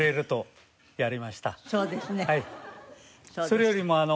それよりもあの。